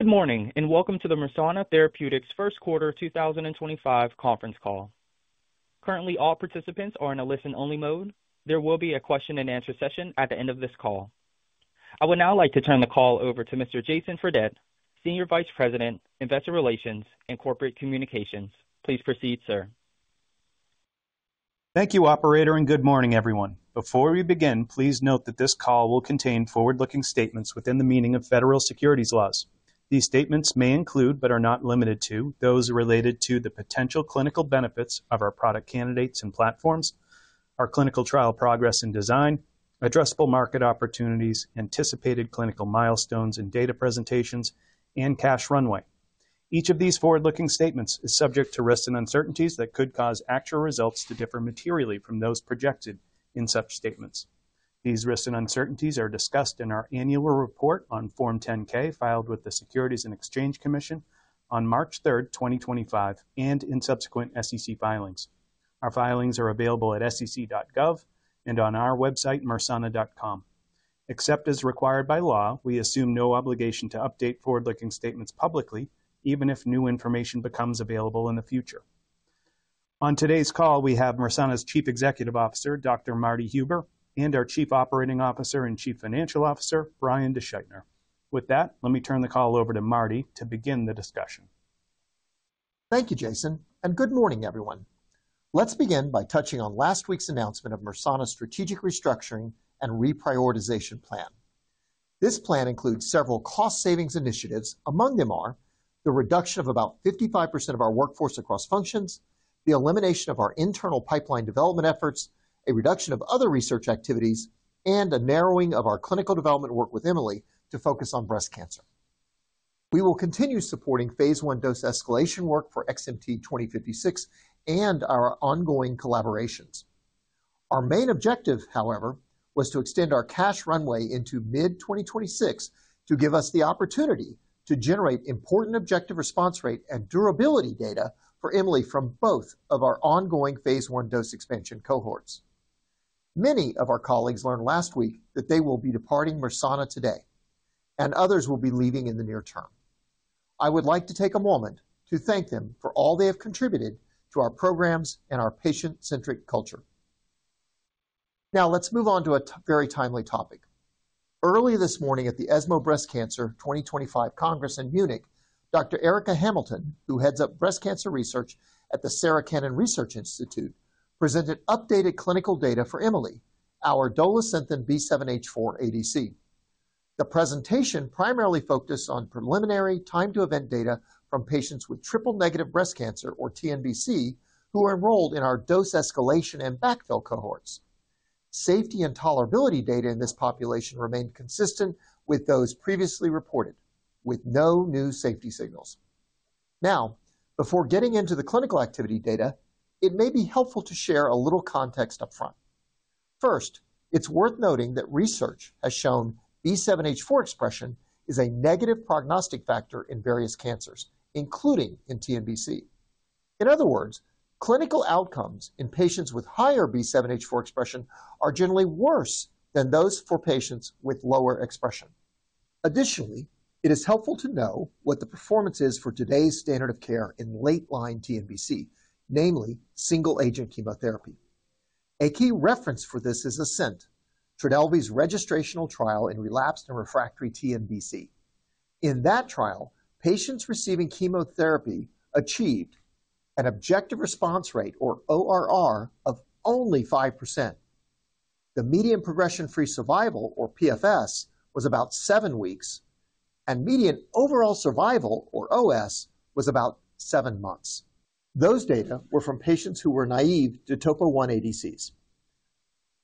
Good morning and welcome to the Mersana Therapeutics First Quarter 2025 conference call. Currently, all participants are in a listen-only mode. There will be a question-and-answer session at the end of this call. I would now like to turn the call over to Mr. Jason Fredette, Senior Vice President, Investor Relations and Corporate Communications. Please proceed, sir. Thank you, Operator, and good morning, everyone. Before we begin, please note that this call will contain forward-looking statements within the meaning of federal securities laws. These statements may include, but are not limited to, those related to the potential clinical benefits of our product candidates and platforms, our clinical trial progress and design, addressable market opportunities, anticipated clinical milestones and data presentations, and cash runway. Each of these forward-looking statements is subject to risks and uncertainties that could cause actual results to differ materially from those projected in such statements. These risks and uncertainties are discussed in our annual report on Form 10-K filed with the Securities and Exchange Commission on March 3, 2025, and in subsequent SEC filings. Our filings are available at sec.gov and on our website, mersana.com. Except as required by law, we assume no obligation to update forward-looking statements publicly, even if new information becomes available in the future. On today's call, we have Mersana's Chief Executive Officer, Dr. Marty Huber, and our Chief Operating Officer and Chief Financial Officer, Brian DeSchuytner. With that, let me turn the call over to Marty to begin the discussion. Thank you, Jason, and good morning, everyone. Let's begin by touching on last week's announcement of Mersana's strategic restructuring and reprioritization plan. This plan includes several cost-savings initiatives. Among them are the reduction of about 55% of our workforce across functions, the elimination of our internal pipeline development efforts, a reduction of other research activities, and a narrowing of our clinical development work with Emi-Le to focus on breast cancer. We will continue supporting phase one dose escalation work for XMT-2056 and our ongoing collaborations. Our main objective, however, was to extend our cash runway into mid-2026 to give us the opportunity to generate important objective response rate and durability data for Emi-Le from both of our ongoing phase one dose expansion cohorts. Many of our colleagues learned last week that they will be departing Mersana today, and others will be leaving in the near term. I would like to take a moment to thank them for all they have contributed to our programs and our patient-centric culture. Now, let's move on to a very timely topic. Early this morning at the ESMO Breast Cancer 2025 Congress in Munich, Dr. Erica Hamilton, who heads up breast cancer research at the Sarah Cannon Research Institute, presented updated clinical data for Emi-Le, our Dolasynthen B7-H4 ADC. The presentation primarily focused on preliminary time-to-event data from patients with triple-negative breast cancer, or TNBC, who are enrolled in our dose escalation and backfill cohorts. Safety and tolerability data in this population remained consistent with those previously reported, with no new safety signals. Now, before getting into the clinical activity data, it may be helpful to share a little context upfront. First, it's worth noting that research has shown B7-H4 expression is a negative prognostic factor in various cancers, including in TNBC. In other words, clinical outcomes in patients with higher B7-H4 expression are generally worse than those for patients with lower expression. Additionally, it is helpful to know what the performance is for today's standard of care in late-line TNBC, namely single-agent chemotherapy. A key reference for this is ASCENT, Trodelvy's registrational trial in relapsed and refractory TNBC. In that trial, patients receiving chemotherapy achieved an objective response rate, or ORR, of only 5%. The median progression-free survival, or PFS, was about seven weeks, and median overall survival, or OS, was about seven months. Those data were from patients who were naive to Topo 1 ADCs.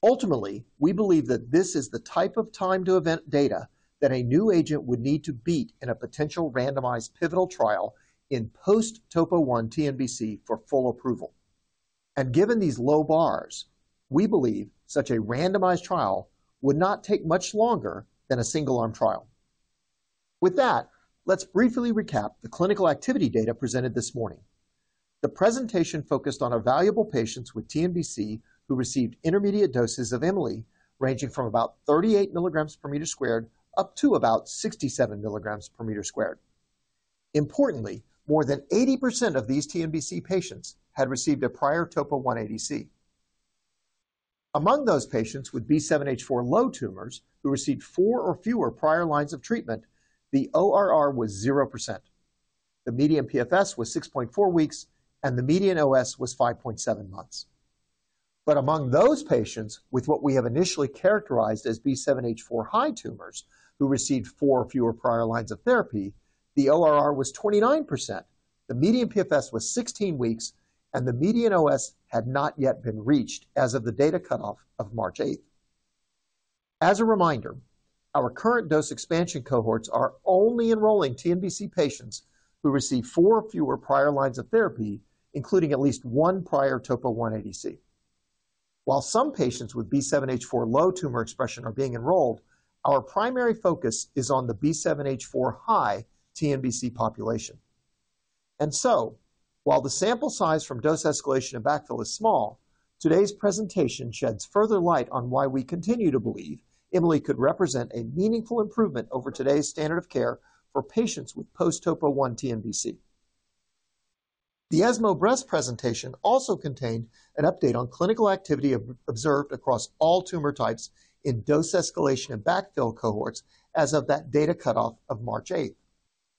Ultimately, we believe that this is the type of time-to-event data that a new agent would need to beat in a potential randomized pivotal trial in post-Topo 1 TNBC for full approval. Given these low bars, we believe such a randomized trial would not take much longer than a single-arm trial. With that, let's briefly recap the clinical activity data presented this morning. The presentation focused on evaluable patients with TNBC who received intermediate doses of Emi-Le, ranging from about 38 mg per meter squared up to about 67 mg per meter squared. Importantly, more than 80% of these TNBC patients had received a prior Topo 1 ADC. Among those patients with B7-H4 low tumors who received four or fewer prior lines of treatment, the ORR was 0%. The median PFS was 6.4 weeks, and the median OS was 5.7 months. Among those patients with what we have initially characterized as B7-H4 high tumors who received four or fewer prior lines of therapy, the ORR was 29%, the median PFS was 16 weeks, and the median OS had not yet been reached as of the data cutoff of March 8th. As a reminder, our current dose expansion cohorts are only enrolling TNBC patients who receive four or fewer prior lines of therapy, including at least one prior Topo 1 ADC. While some patients with B7-H4 low tumor expression are being enrolled, our primary focus is on the B7-H4 high TNBC population. While the sample size from dose escalation and backfill is small, today's presentation sheds further light on why we continue to believe Emi-Le could represent a meaningful improvement over today's standard of care for patients with post-Topo 1 TNBC. The ESMO Breast presentation also contained an update on clinical activity observed across all tumor types in dose escalation and backfill cohorts as of that data cutoff of March 8th.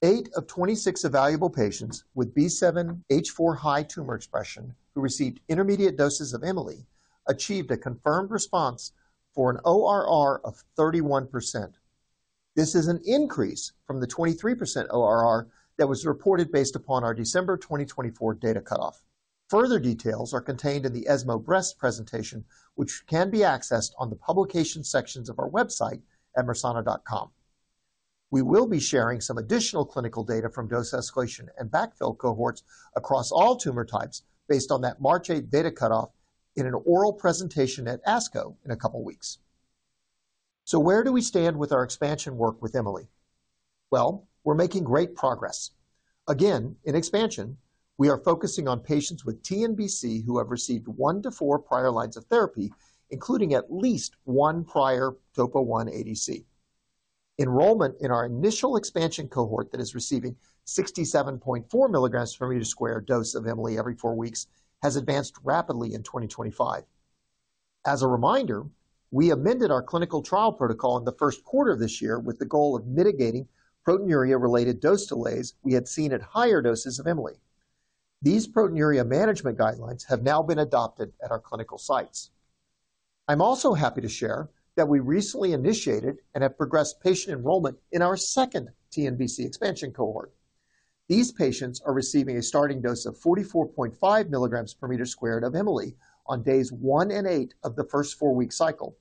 Eight of 26 evaluable patients with B7-H4 high tumor expression who received intermediate doses of Emi-Le achieved a confirmed response for an ORR of 31%. This is an increase from the 23% ORR that was reported based upon our December 2024 data cutoff. Further details are contained in the ESMO Breast presentation, which can be accessed on the publication sections of our website at mersana.com. We will be sharing some additional clinical data from dose escalation and backfill cohorts across all tumor types based on that March 8th data cutoff in an oral presentation at ASCO in a couple of weeks. Where do we stand with our expansion work with Emi-Le? We are making great progress. Again, in expansion, we are focusing on patients with TNBC who have received one to four prior lines of therapy, including at least one prior Topo 1 ADC. Enrollment in our initial expansion cohort that is receiving 67.4 mg per m² dose of Emi-Le every four weeks has advanced rapidly in 2025. As a reminder, we amended our clinical trial protocol in the first quarter of this year with the goal of mitigating proteinuria-related dose delays we had seen at higher doses of Emi-Le. These proteinuria management guidelines have now been adopted at our clinical sites. I'm also happy to share that we recently initiated and have progressed patient enrollment in our second TNBC expansion cohort. These patients are receiving a starting dose of 44.5 mg per meter squared of Emi-Le on days one and eight of the first four-week cycle,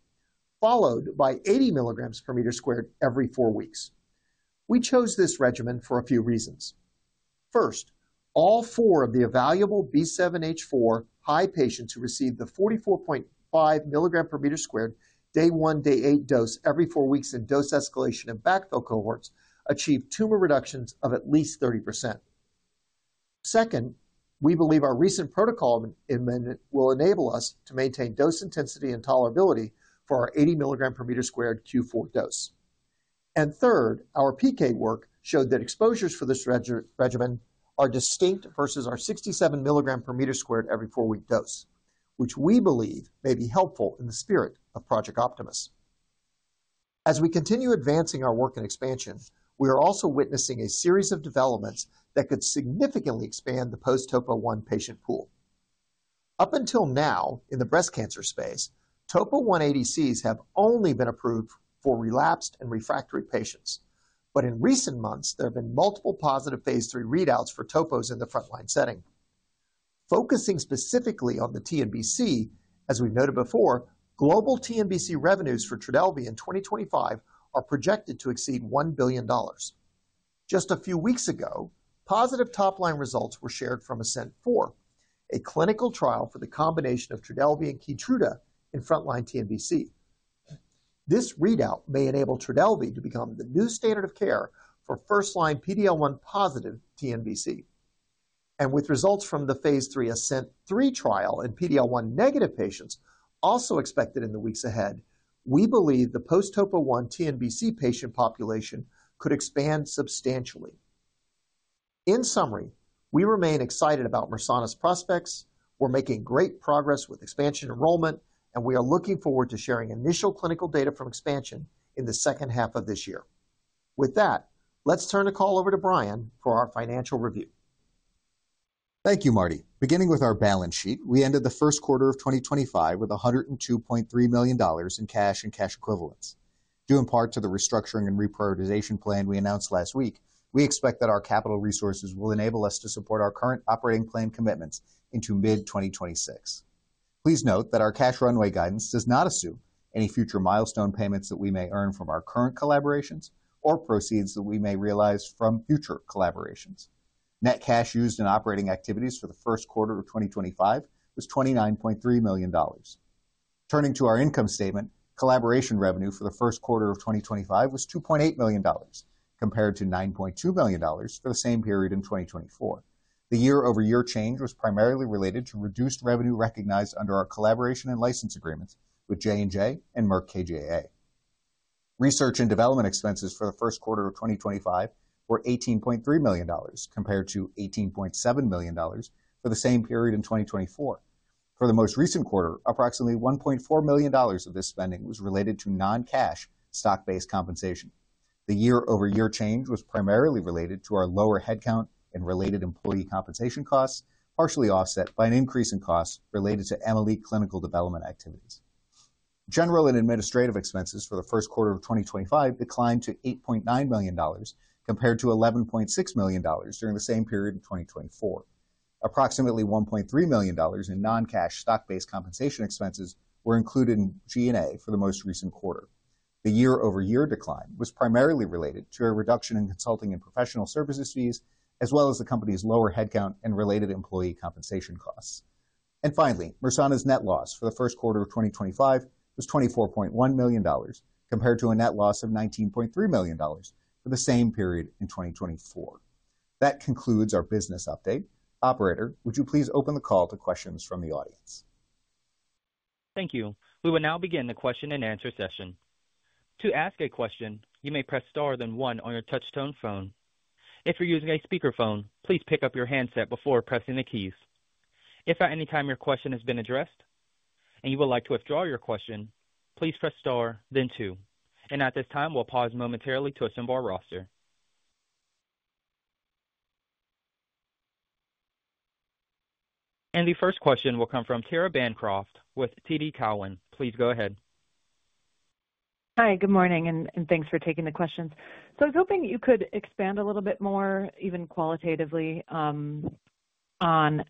followed by 80 mg per meter squared every four weeks. We chose this regimen for a few reasons. First, all four of the evaluable B7-H4 high patients who received the 44.5 mg per meter squared day one, day eight dose every four weeks in dose escalation and backfill cohorts achieved tumor reductions of at least 30%. Second, we believe our recent protocol will enable us to maintain dose intensity and tolerability for our 80 mg per meter squared Q4 dose. Third, our PK work showed that exposures for this regimen are distinct versus our 67 mg per meter squared every four-week dose, which we believe may be helpful in the spirit of Project Optimus. As we continue advancing our work in expansion, we are also witnessing a series of developments that could significantly expand the post-Topo 1 patient pool. Up until now, in the breast cancer space, Topo 1 ADCs have only been approved for relapsed and refractory patients, but in recent months, there have been multiple positive phase three readouts for Topos in the frontline setting. Focusing specifically on the TNBC, as we've noted before, global TNBC revenues for Trodelvy in 2025 are projected to exceed $1 billion. Just a few weeks ago, positive top-line results were shared from ASCENT 4, a clinical trial for the combination of Trodelvy and Keytruda in frontline TNBC. This readout may enable Trodelvy to become the new standard of care for first-line PD-L1 positive TNBC. With results from the phase three ASCENT 3 trial in PD-L1 negative patients also expected in the weeks ahead, we believe the post-Topo 1 TNBC patient population could expand substantially. In summary, we remain excited about Mersana's prospects. We're making great progress with expansion enrollment, and we are looking forward to sharing initial clinical data from expansion in the second half of this year. With that, let's turn the call over to Brian for our financial review. Thank you, Marty. Beginning with our balance sheet, we ended the first quarter of 2025 with $102.3 million in cash and cash equivalents. Due in part to the restructuring and reprioritization plan we announced last week, we expect that our capital resources will enable us to support our current operating plan commitments into mid-2026. Please note that our cash runway guidance does not assume any future milestone payments that we may earn from our current collaborations or proceeds that we may realize from future collaborations. Net cash used in operating activities for the first quarter of 2025 was $29.3 million. Turning to our income statement, collaboration revenue for the first quarter of 2025 was $2.8 million, compared to $9.2 million for the same period in 2024. The year-over-year change was primarily related to reduced revenue recognized under our collaboration and license agreements with J&J and Merck KGaA. Research and development expenses for the first quarter of 2025 were $18.3 million, compared to $18.7 million for the same period in 2024. For the most recent quarter, approximately $1.4 million of this spending was related to non-cash stock-based compensation. The year-over-year change was primarily related to our lower headcount and related employee compensation costs, partially offset by an increase in costs related to Emi-Le clinical development activities. General and administrative expenses for the first quarter of 2025 declined to $8.9 million, compared to $11.6 million during the same period in 2024. Approximately $1.3 million in non-cash stock-based compensation expenses were included in G&A for the most recent quarter. The year-over-year decline was primarily related to a reduction in consulting and professional services fees, as well as the company's lower headcount and related employee compensation costs. Mersana's net loss for the first quarter of 2025 was $24.1 million, compared to a net loss of $19.3 million for the same period in 2024. That concludes our business update. Operator, would you please open the call to questions from the audience? Thank you. We will now begin the question and answer session. To ask a question, you may press star then one on your touchstone phone. If you're using a speakerphone, please pick up your handset before pressing the keys. If at any time your question has been addressed and you would like to withdraw your question, please press star, then two. At this time, we'll pause momentarily to assemble our roster. The first question will come from Tara Bancroft with TD Cowan. Please go ahead. Hi, good morning, and thanks for taking the questions. I was hoping you could expand a little bit more, even qualitatively, on the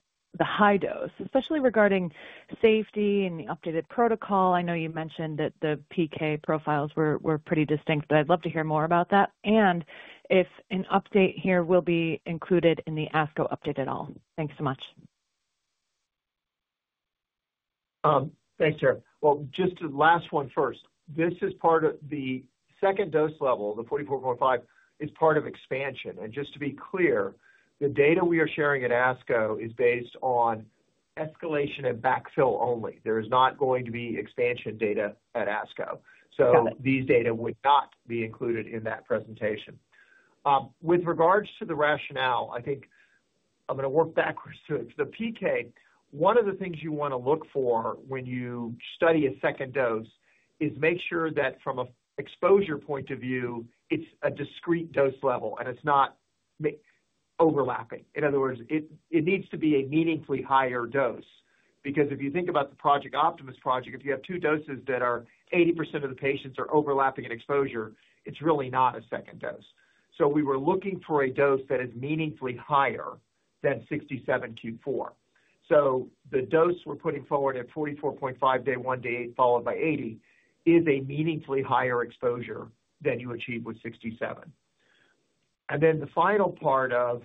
high dose, especially regarding safety and the updated protocol. I know you mentioned that the PK profiles were pretty distinct, but I'd love to hear more about that. If an update here will be included in the ASCO update at all. Thanks so much. Thanks, Sarah. Just the last one first. This is part of the second dose level, the 44.5, is part of expansion. Just to be clear, the data we are sharing at ASCO is based on escalation and backfill only. There is not going to be expansion data at ASCO. These data would not be included in that presentation. With regards to the rationale, I think I'm going to work backwards to it. For the PK, one of the things you want to look for when you study a second dose is make sure that from an exposure point of view, it's a discrete dose level and it's not overlapping. In other words, it needs to be a meaningfully higher dose because if you think about the Project Optimus project, if you have two doses that are 80% of the patients are overlapping in exposure, it's really not a second dose. We were looking for a dose that is meaningfully higher than 67 Q4. The dose we're putting forward at 44.5 day one, day eight, followed by 80, is a meaningfully higher exposure than you achieve with 67. The final part of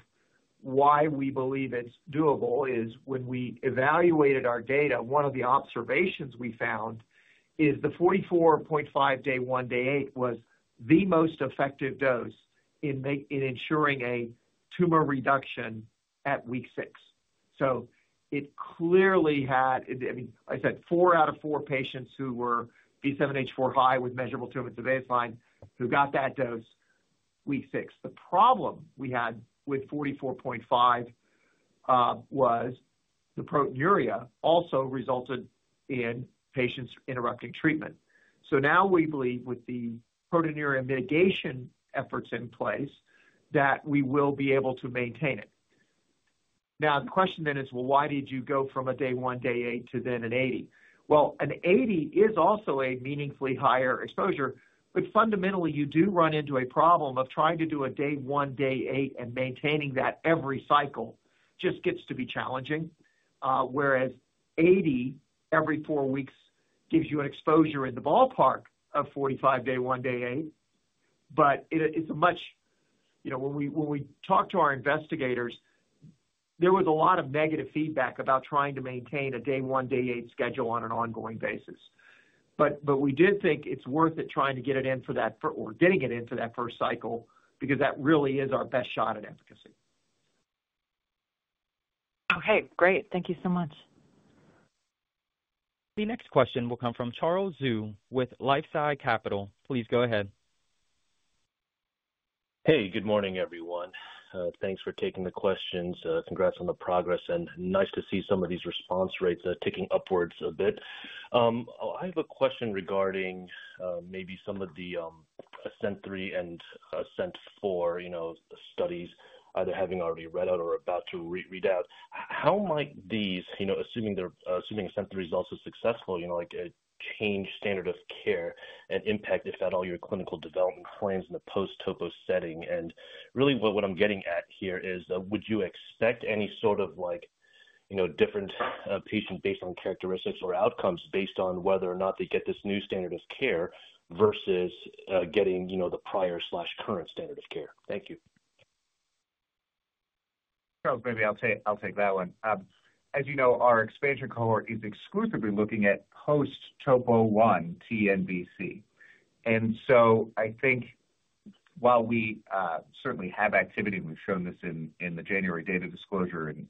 why we believe it's doable is when we evaluated our data, one of the observations we found is the 44.5 day one, day eight was the most effective dose in ensuring a tumor reduction at week six. It clearly had, I mean, I said four out of four patients who were B7-H4 high with measurable tumor at the baseline who got that dose week six. The problem we had with 44.5 was the proteinuria also resulted in patients interrupting treatment. Now we believe with the proteinuria mitigation efforts in place that we will be able to maintain it. The question then is, why did you go from a day one, day eight to then an 80? An 80 is also a meaningfully higher exposure, but fundamentally you do run into a problem of trying to do a day one, day eight and maintaining that every cycle just gets to be challenging, whereas 80 every four weeks gives you an exposure in the ballpark of 45 day one, day eight. It's a much, you know, when we talk to our investigators, there was a lot of negative feedback about trying to maintain a day one, day eight schedule on an ongoing basis. We did think it's worth it trying to get it in for that or getting it in for that first cycle because that really is our best shot at efficacy. Okay, great. Thank you so much. The next question will come from Charles Zhu with LifeSci Capital. Please go ahead. Hey, good morning, everyone. Thanks for taking the questions. Congrats on the progress and nice to see some of these response rates ticking upwards a bit. I have a question regarding maybe some of the ASCENT 3 and ASCENT 4, you know, studies either having already read out or about to read out. How might these, you know, assuming ASCENT 3 is also successful, you know, like a change standard of care and impact, if at all, your clinical development plans in the post-Topo setting? And really what I'm getting at here is, would you expect any sort of like, you know, different patient-based characteristics or outcomes based on whether or not they get this new standard of care versus getting, you know, the prior slash current standard of care? Thank you. Maybe I'll take that one. As you know, our expansion cohort is exclusively looking at post-Topo 1 TNBC. I think while we certainly have activity and we've shown this in the January data disclosure and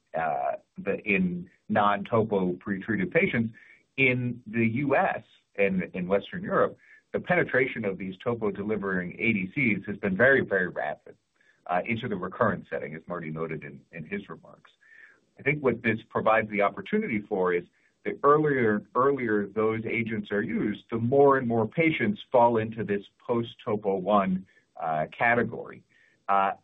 in non-Topo pretreated patients in the US and in Western Europe, the penetration of these Topo delivering ADCs has been very, very rapid into the recurrent setting, as Marty noted in his remarks. I think what this provides the opportunity for is the earlier those agents are used, the more and more patients fall into this post-Topo 1 category.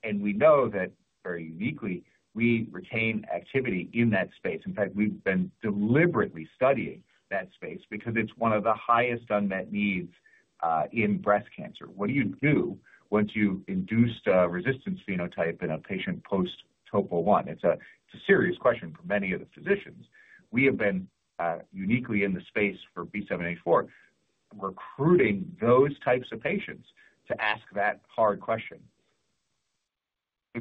We know that very uniquely, we retain activity in that space. In fact, we've been deliberately studying that space because it's one of the highest unmet needs in breast cancer. What do you do once you've induced a resistance phenotype in a patient post-Topo 1? It's a serious question for many of the physicians. We have been uniquely in the space for B7-H4, recruiting those types of patients to ask that hard question.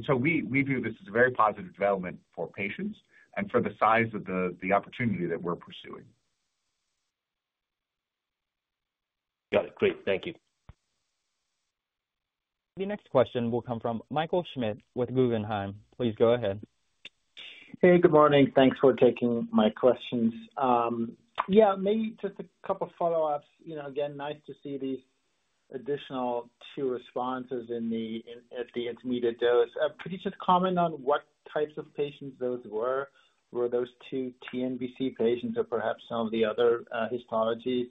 We view this as a very positive development for patients and for the size of the opportunity that we're pursuing. Got it. Great. Thank you. The next question will come from Michael Schmidt with Guggenheim. Please go ahead. Hey, good morning. Thanks for taking my questions. Yeah, maybe just a couple of follow-ups. You know, again, nice to see these additional two responses in the intermediate dose. Could you just comment on what types of patients those were? Were those two TNBC patients or perhaps some of the other histologies?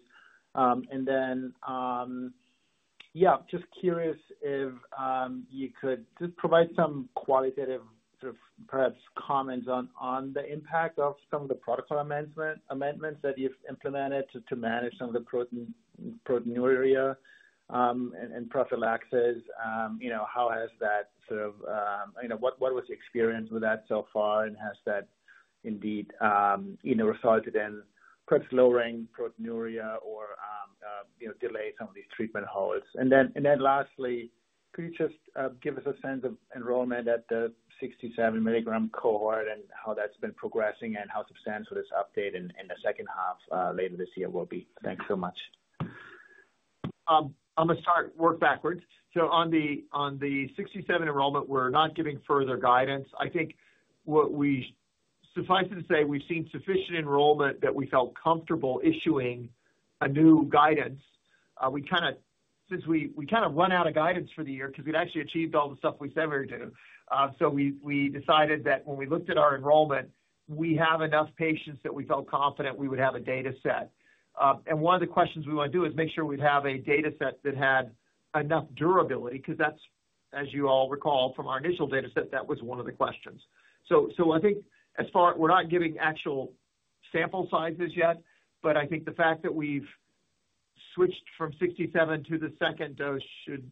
Yeah, just curious if you could just provide some qualitative sort of perhaps comments on the impact of some of the protocol amendments that you've implemented to manage some of the proteinuria and prophylaxis. You know, how has that sort of, you know, what was the experience with that so far? Has that indeed resulted in perhaps lowering proteinuria or, you know, delay some of these treatment holds? Lastly, could you just give us a sense of enrollment at the 67 mg cohort and how that's been progressing and how substantial this update in the second half later this year will be? Thanks so much. I'm going to start work backwards. On the 67 enrollment, we're not giving further guidance. I think what we suffice to say, we've seen sufficient enrollment that we felt comfortable issuing a new guidance. We kind of, since we kind of run out of guidance for the year because we'd actually achieved all the stuff we said we were going to do. We decided that when we looked at our enrollment, we have enough patients that we felt confident we would have a data set. One of the questions we want to do is make sure we'd have a data set that had enough durability because that's, as you all recall from our initial data set, that was one of the questions. I think as far as we're not giving actual sample sizes yet, but I think the fact that we've switched from 67 to the second dose should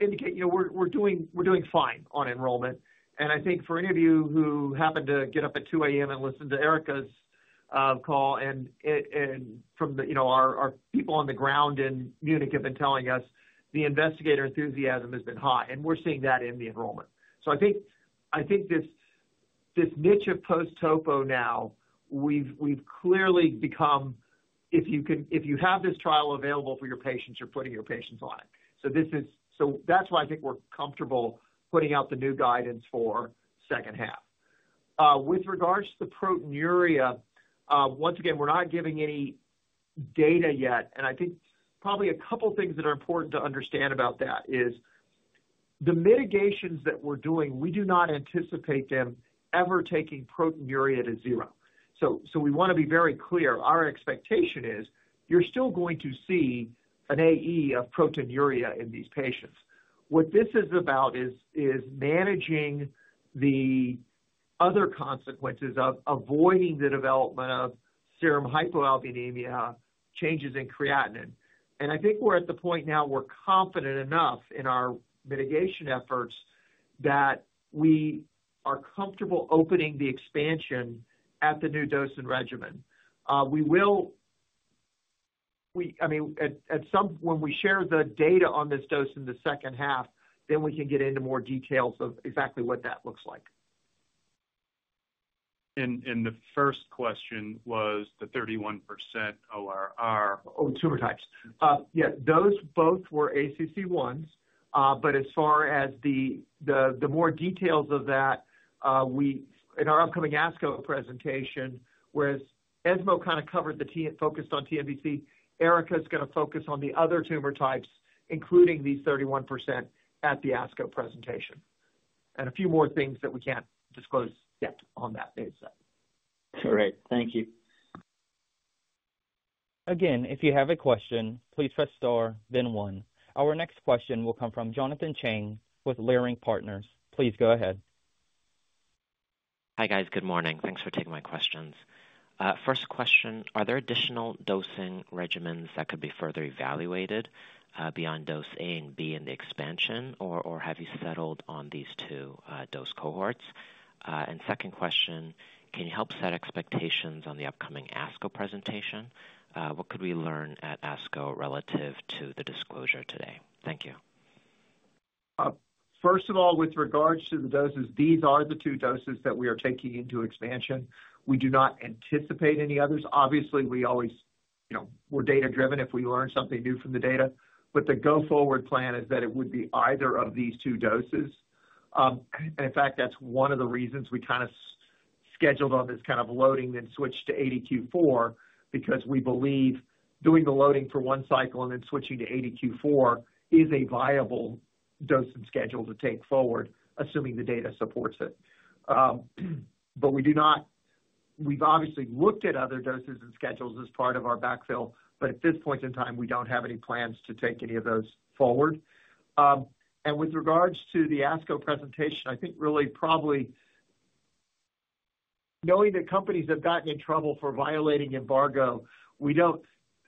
indicate, you know, we're doing fine on enrollment. I think for any of you who happened to get up at 2:00 A.M. and listen to Erica's call and from the, you know, our people on the ground in Munich have been telling us the investigator enthusiasm has been high. We're seeing that in the enrollment. I think this niche of post-Topo now, we've clearly become, if you have this trial available for your patients, you're putting your patients on it. That's why I think we're comfortable putting out the new guidance for second half. With regards to the proteinuria, once again, we're not giving any data yet. I think probably a couple of things that are important to understand about that is the mitigations that we're doing, we do not anticipate them ever taking proteinuria to zero. We want to be very clear. Our expectation is you're still going to see an AE of proteinuria in these patients. What this is about is managing the other consequences of avoiding the development of serum hypoalbuminemia, changes in creatinine. I think we're at the point now we're confident enough in our mitigation efforts that we are comfortable opening the expansion at the new dose and regimen. We will, I mean, at some point when we share the data on this dose in the second half, then we can get into more details of exactly what that looks like. The first question was the 31% ORR. Oh, tumor types. Yeah, those both were ACC1s. As far as the more details of that, in our upcoming ASCO presentation, whereas ESMO kind of covered the focused on TNBC, Erica's going to focus on the other tumor types, including these 31% at the ASCO presentation. A few more things that we can't disclose yet on that data set. All right. Thank you. Again, if you have a question, please press star, then one. Our next question will come from Jonathan Chang with Leerink Partners. Please go ahead. Hi guys, good morning. Thanks for taking my questions. First question, are there additional dosing regimens that could be further evaluated beyond dose A and B in the expansion, or have you settled on these two dose cohorts? Second question, can you help set expectations on the upcoming ASCO presentation? What could we learn at ASCO relative to the disclosure today? Thank you. First of all, with regards to the doses, these are the two doses that we are taking into expansion. We do not anticipate any others. Obviously, we always, you know, we're data-driven if we learn something new from the data. The go-forward plan is that it would be either of these two doses. In fact, that's one of the reasons we kind of scheduled on this kind of loading and then switched to 80 Q4 because we believe doing the loading for one cycle and then switching to 80 Q4 is a viable dose and schedule to take forward, assuming the data supports it. We do not, we've obviously looked at other doses and schedules as part of our backfill, but at this point in time, we don't have any plans to take any of those forward. With regards to the ASCO presentation, I think really probably knowing that companies have gotten in trouble for violating embargo, we don't,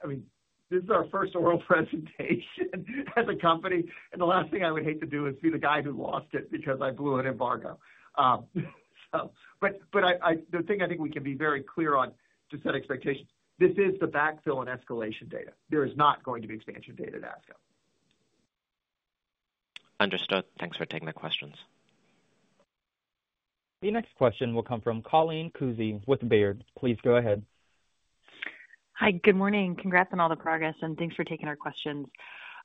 I mean, this is our first oral presentation as a company. The last thing I would hate to do is be the guy who lost it because I blew an embargo. The thing I think we can be very clear on to set expectations, this is the backfill and escalation data. There is not going to be expansion data at ASCO. Understood. Thanks for taking the questions. The next question will come from Colleen Kusy with Bayard. Please go ahead. Hi, good morning. Congrats on all the progress and thanks for taking our questions.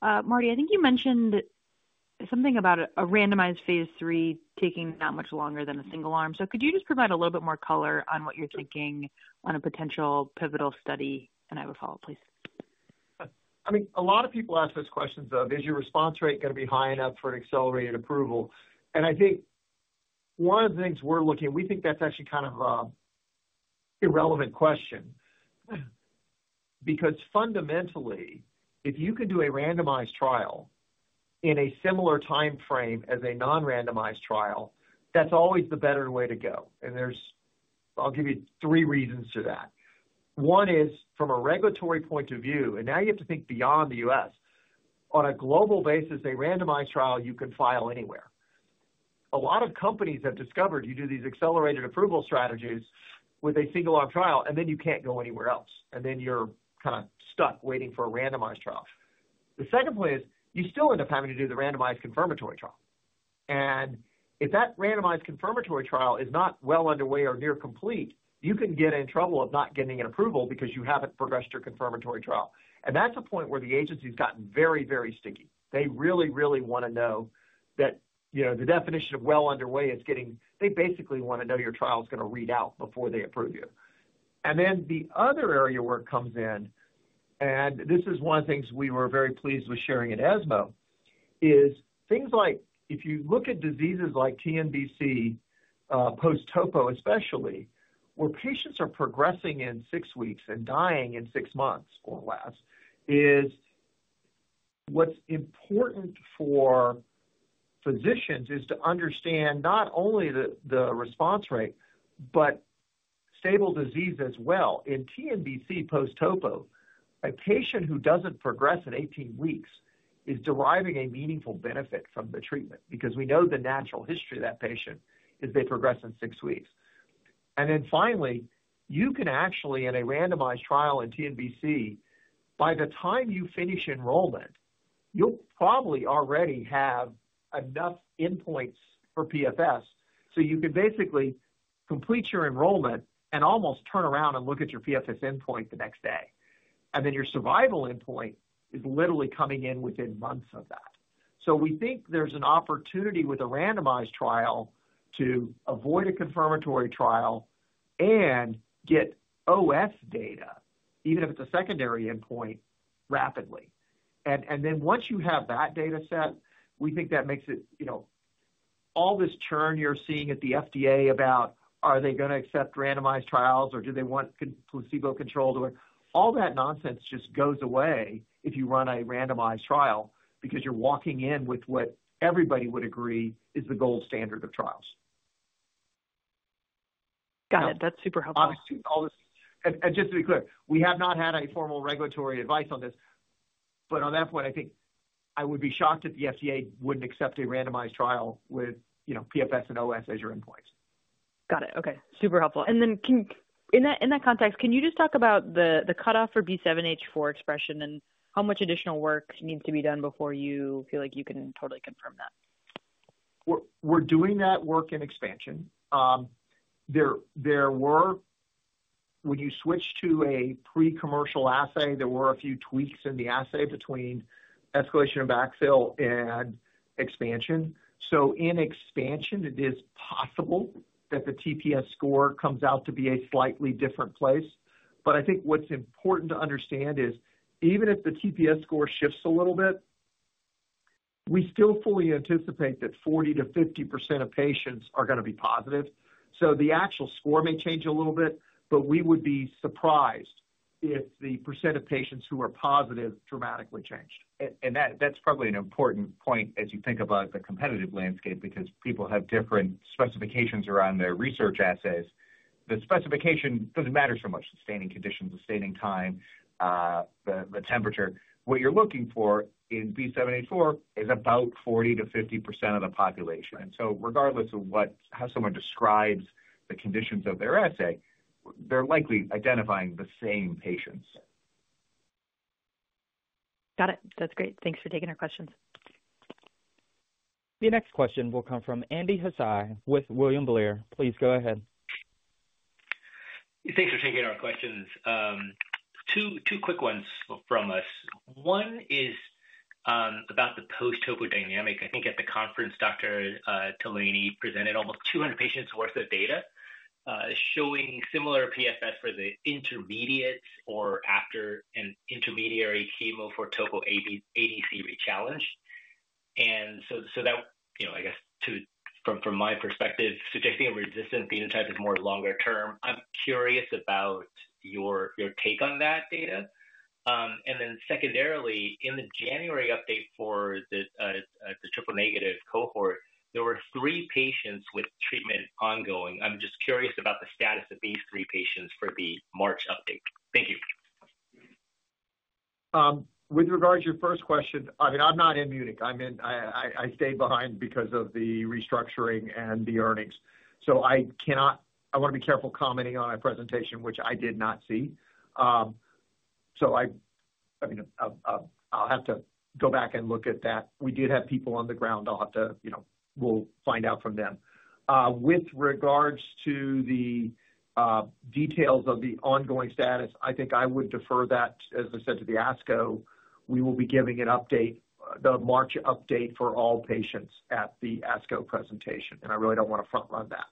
Marty, I think you mentioned something about a randomized phase three taking not much longer than a single arm. Could you just provide a little bit more color on what you're thinking on a potential pivotal study and I would follow, please? I mean, a lot of people ask this question of, is your response rate going to be high enough for an accelerated approval? I think one of the things we're looking, we think that's actually kind of an irrelevant question because fundamentally, if you can do a randomized trial in a similar timeframe as a non-randomized trial, that's always the better way to go. I'll give you three reasons to that. One is from a regulatory point of view, and now you have to think beyond the U.S., on a global basis, a randomized trial, you can file anywhere. A lot of companies have discovered you do these accelerated approval strategies with a single arm trial and then you can't go anywhere else. Then you're kind of stuck waiting for a randomized trial. The second point is you still end up having to do the randomized confirmatory trial. If that randomized confirmatory trial is not well underway or near complete, you can get in trouble of not getting an approval because you haven't progressed your confirmatory trial. That's a point where the agency has gotten very, very sticky. They really, really want to know that, you know, the definition of well underway is getting, they basically want to know your trial is going to read out before they approve you. Then the other area where it comes in, and this is one of the things we were very pleased with sharing at ESMO, is things like if you look at diseases like TNBC, post-Topo especially, where patients are progressing in six weeks and dying in six months or less, what's important for physicians is to understand not only the response rate, but stable disease as well. In TNBC post-Topo, a patient who does not progress in 18 weeks is deriving a meaningful benefit from the treatment because we know the natural history of that patient is they progress in six weeks. Finally, you can actually in a randomized trial in TNBC, by the time you finish enrollment, you'll probably already have enough endpoints for PFS. You can basically complete your enrollment and almost turn around and look at your PFS endpoint the next day. Your survival endpoint is literally coming in within months of that. We think there's an opportunity with a randomized trial to avoid a confirmatory trial and get OS data, even if it's a secondary endpoint, rapidly. Once you have that data set, we think that makes it, you know, all this churn you're seeing at the FDA about are they going to accept randomized trials or do they want placebo control to work, all that nonsense just goes away if you run a randomized trial because you're walking in with what everybody would agree is the gold standard of trials. Got it. That's super helpful. Just to be clear, we have not had a formal regulatory advice on this. On that point, I think I would be shocked if the FDA would not accept a randomized trial with, you know, PFS and OS as your endpoints. Got it. Okay. Super helpful. In that context, can you just talk about the cutoff for B7-H4 expression and how much additional work needs to be done before you feel like you can totally confirm that? We're doing that work in expansion. There were, when you switch to a pre-commercial assay, there were a few tweaks in the assay between escalation and backfill and expansion. In expansion, it is possible that the TPS score comes out to be a slightly different place. I think what's important to understand is even if the TPS score shifts a little bit, we still fully anticipate that 40-50% of patients are going to be positive. The actual score may change a little bit, but we would be surprised if the percentage of patients who are positive dramatically changed. That's probably an important point as you think about the competitive landscape because people have different specifications around their research assays. The specification doesn't matter so much, sustaining conditions, sustaining time, the temperature. What you're looking for in B7-H4 is about 40-50% of the population. Regardless of how someone describes the conditions of their assay, they're likely identifying the same patients. Got it. That's great. Thanks for taking our questions. The next question will come from Andy Hsieh with William Blair. Please go ahead. Thanks for taking our questions. Two quick ones from us. One is about the post-Topo dynamic. I think at the conference, Dr. Tolaney presented almost 200 patients' worth of data showing similar PFS for the intermediates or after an intermediary chemo for Topo ADC rechallenge. That, you know, I guess from my perspective, suggesting a resistant phenotype is more longer term. I'm curious about your take on that data. Secondarily, in the January update for the triple negative cohort, there were three patients with treatment ongoing. I'm just curious about the status of these three patients for the March update. Thank you. With regards to your first question, I mean, I'm not in Munich. I stayed behind because of the restructuring and the earnings. I cannot, I want to be careful commenting on a presentation, which I did not see. I mean, I'll have to go back and look at that. We did have people on the ground. I'll have to, you know, we'll find out from them. With regards to the details of the ongoing status, I think I would defer that, as I said, to the ASCO. We will be giving an update, the March update for all patients at the ASCO presentation. I really don't want to front run that.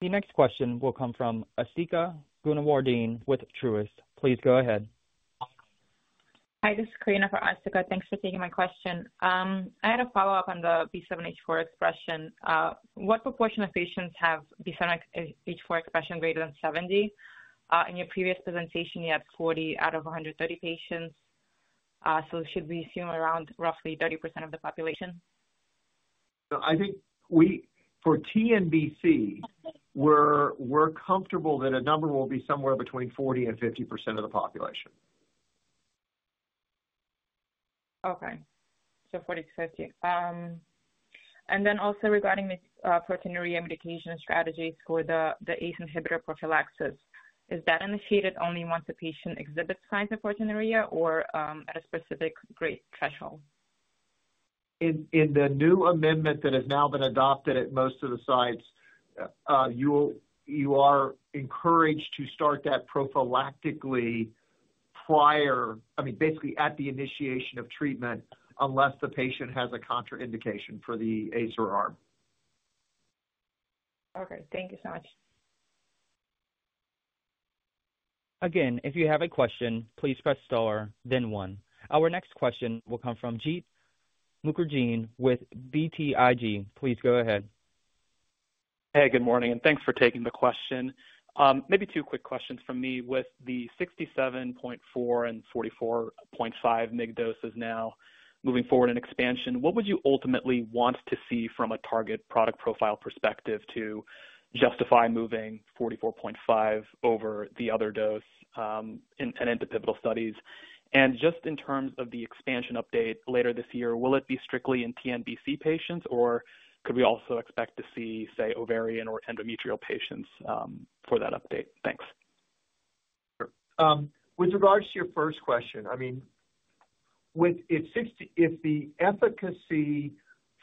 The next question will come from Ashika Gunawardene with Truist. Please go ahead. Hi, this is Karina from ASCO. Thanks for taking my question. I had a follow-up on the B7-H4 expression. What proportion of patients have B7-H4 expression greater than 70%? In your previous presentation, you had 40 out of 130 patients. Should we assume around roughly 30% of the population? I think for TNBC, we're comfortable that a number will be somewhere between 40-50% of the population. Okay. So 40-50. And then also regarding proteinuria medication strategies for the ACE inhibitor prophylaxis, is that initiated only once a patient exhibits signs of proteinuria or at a specific grade threshold? In the new amendment that has now been adopted at most of the sites, you are encouraged to start that prophylactically prior, I mean, basically at the initiation of treatment unless the patient has a contraindication for the ACE or ARM. Okay. Thank you so much. Again, if you have a question, please press star, then one. Our next question will come from Jeet Mukherjee with BTIG. Please go ahead. Hey, good morning. Thanks for taking the question. Maybe two quick questions from me. With the 67.4 and 44.5 mg doses now moving forward in expansion, what would you ultimately want to see from a target product profile perspective to justify moving 44.5 over the other dose and into pivotal studies? Just in terms of the expansion update later this year, will it be strictly in TNBC patients or could we also expect to see, say, ovarian or endometrial patients for that update? Thanks. With regards to your first question, I mean, if the efficacy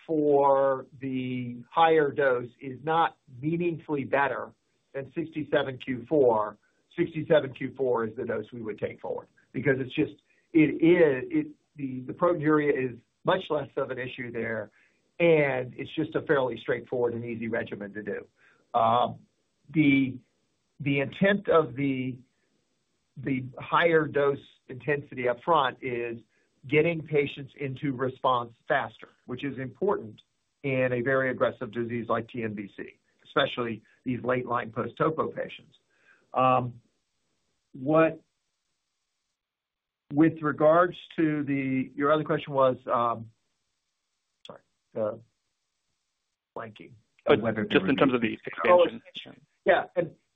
for the higher dose is not meaningfully better than 67 Q4, 67 Q4 is the dose we would take forward because it is, the proteinuria is much less of an issue there and it is just a fairly straightforward and easy regimen to do. The intent of the higher dose intensity upfront is getting patients into response faster, which is important in a very aggressive disease like TNBC, especially these late line post-Topo patients. With regards to your other question, sorry, the blanking. Just in terms of the expansion. Yeah.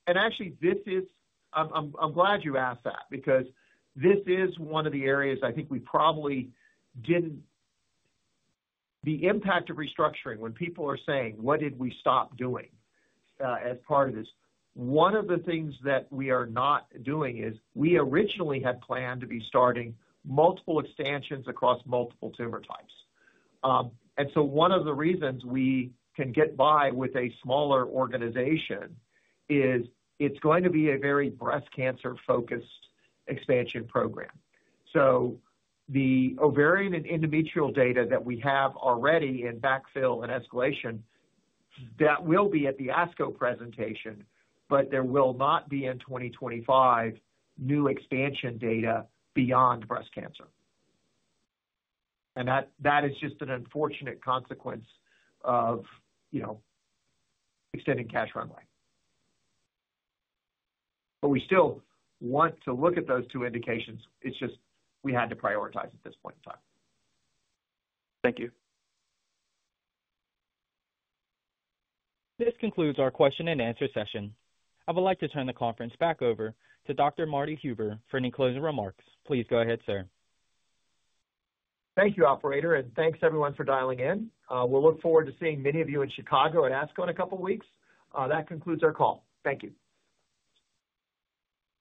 Actually, this is, I'm glad you asked that because this is one of the areas I think we probably did not, the impact of restructuring when people are saying, what did we stop doing as part of this? One of the things that we are not doing is we originally had planned to be starting multiple expansions across multiple tumor types. One of the reasons we can get by with a smaller organization is it is going to be a very breast cancer focused expansion program. The ovarian and endometrial data that we have already in backfill and escalation, that will be at the ASCO presentation, but there will not be in 2025 new expansion data beyond breast cancer. That is just an unfortunate consequence of, you know, extending cash runway. We still want to look at those two indications. It's just we had to prioritize at this point in time. Thank you. This concludes our question and answer session. I would like to turn the conference back over to Dr. Marty Huber for any closing remarks. Please go ahead, sir. Thank you, operator. Thank you everyone for dialing in. We'll look forward to seeing many of you in Chicago at ASCO in a couple of weeks. That concludes our call. Thank you.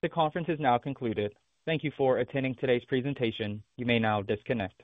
The conference is now concluded. Thank you for attending today's presentation. You may now disconnect.